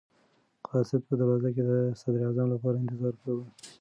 قاصد په دروازه کې د صدراعظم لپاره انتظار کاوه.